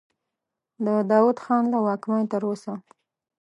د داود خان له واکمنۍ تر اوسه.